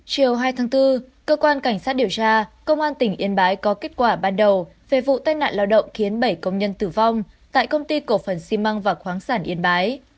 chiều hai tháng bốn cơ quan cảnh sát điều tra công an tỉnh yên bái có kết quả ban đầu về vụ tai nạn lao động khiến bảy công nhân tử vong tại công ty cổ phần xi măng và khoáng sản yên bái